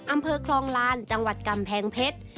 อำเภอคลองลานจังหวัดกำแพงเพชร